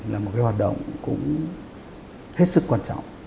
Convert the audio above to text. là một cái hoạt động cũng hết sức quan trọng